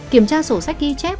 kiểm tra sổ sách ghi chép